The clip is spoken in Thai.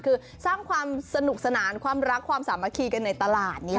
คือสร้างความสนุกสนานความรักความสามัคคีกันในตลาดนี้